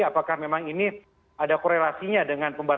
apakah memang ini ada korelasinya dengan pemerintah